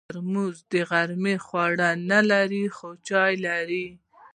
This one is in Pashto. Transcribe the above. ترموز د غرمو خواړه نه لري، خو چای لري.